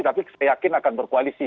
tapi saya yakin akan berkoalisi